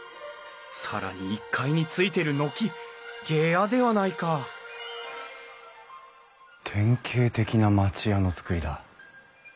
更に１階についてる軒下屋ではないか典型的な町家の造りだ。